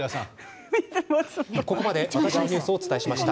ここまで「わたしのニュース」をお伝えしました。